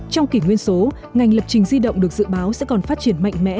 trong kỷ nguyên số ngành lập trình di động được dự báo sẽ còn phát triển mạnh mẽ